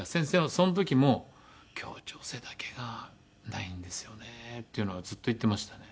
その時も協調性だけがないんですよねっていうのはずっと言ってましたね。